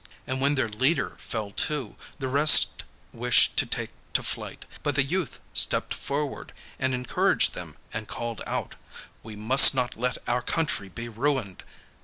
And when their leader fell too the rest wished to take to flight; but the youth stepped forward and encouraged them and called out, 'We must not let our country be ruined!